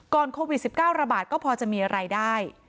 โควิด๑๙ระบาดก็พอจะมีรายได้